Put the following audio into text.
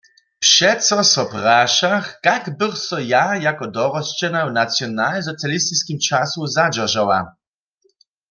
Přeco so prašach, kak bych so ja jako dorosćena w nacionalsocialistiskim času zadźeržała.